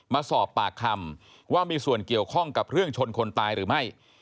มาสอบปากคำว่ามีส่วนเกี่ยวข้องกับเรื่องชนคนตายหรือไม่